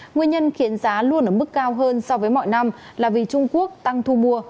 nguyên nhân khiến giá luôn ở mức cao hơn so với mọi năm là vì trung quốc tăng thu mua